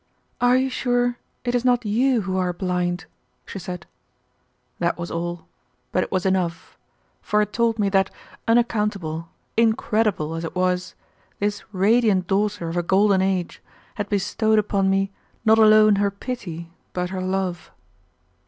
"Are you sure it is not you who are blind?" she said. That was all, but it was enough, for it told me that, unaccountable, incredible as it was, this radiant daughter of a golden age had bestowed upon me not alone her pity, but her love.